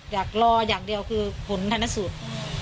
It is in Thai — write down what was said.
อยากรออย่างเดียวคือผลทันสุทธิ์